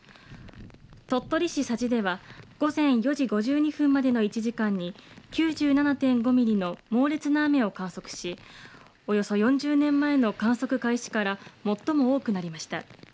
鳥取市佐治では午前４時５２分までの１時間に９７．５ミリの猛烈な雨を観測し、およそ４０年前の観測開始から最も多くなりました。